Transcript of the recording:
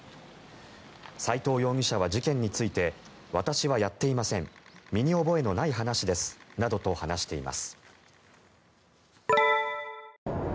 斎藤容疑者は事件について私はやっていません身に覚えのない話ですなどと話しています。